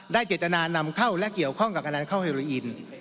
ได้เจตนานนำเข้าและเกี่ยวข้องกับการนานเข้าเฮลอีน